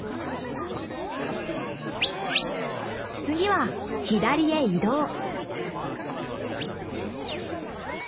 次は「左へ移動」。